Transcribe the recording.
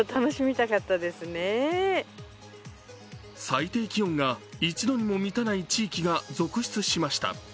最低気温が１度にも満たない地域が続出しました。